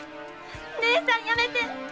姉さんやめて！